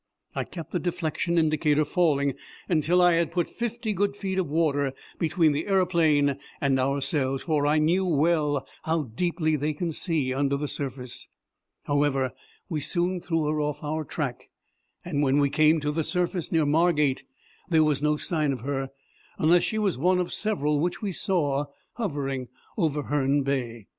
I kept the deflection indicator falling until I had put fifty good feet of water between the aeroplane and ourselves, for I knew well how deeply they can see under the surface. However, we soon threw her off our track, and when we came to the surface near Margate there was no sign of her, unless she was one of several which we saw hovering over Herne Bay.